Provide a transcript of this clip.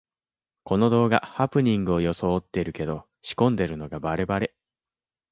この動画、ハプニングをよそおってるけど仕込んでるのがバレバレ